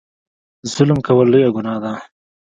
ظلم کول لویه ګناه ده.